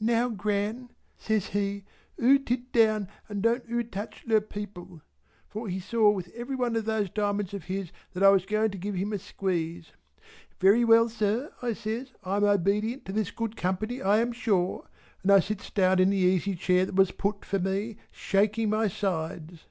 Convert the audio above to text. "Now Gran" says he, "oo tit down and don't oo touch ler people" for he saw with every one of those diamonds of his that I was going to give him a squeeze. "Very well sir" I says "I am obedient in this good company I am sure." And I sits down in the easy chair that was put for me, shaking my sides.